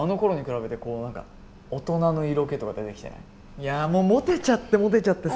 いやもうモテちゃってモテちゃってさ。